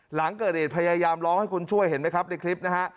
หลังเกิดเหตุพยายามร้องให้คนช่วยเห็นไหมครับในคลิปนะฮะ